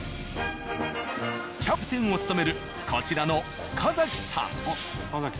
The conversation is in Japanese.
キャプテンを務めるこちらの岡嵜さん。